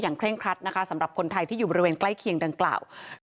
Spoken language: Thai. เร่งครัดนะคะสำหรับคนไทยที่อยู่บริเวณใกล้เคียงดังกล่าว